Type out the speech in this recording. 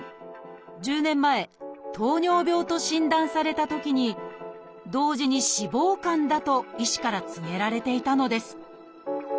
１０年前「糖尿病」と診断されたときに同時に「脂肪肝だ」と医師から告げられていたのです。